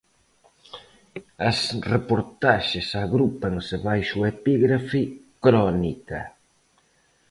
As reportaxes agrúpanse baixo o epígrafe Crónica.